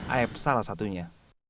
aib salah satunya